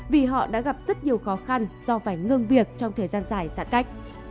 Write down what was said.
vì họ đã gặp rất nhiều khó khăn do phải ngưng việc trong thời gian dài giãn cách